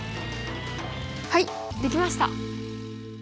はいできました！